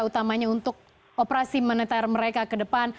utamanya untuk operasi mineter mereka ke depan